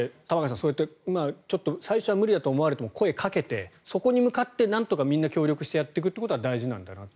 そういった、最初は無理だと思っても、声をかけてそこに向かってなんとかみんな協力してやっていくことが大事なんだなと。